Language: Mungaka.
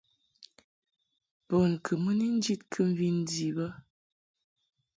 Bun kɨ mɨ ni njid kɨmvi ndi bə.